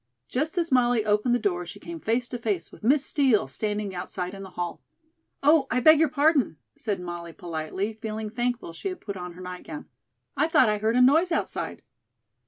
Just as Molly opened the door she came face to face with Miss Steel standing outside in the hall. "Oh, I beg your pardon," said Molly politely, feeling thankful she had put on her nightgown, "I thought I heard a noise outside."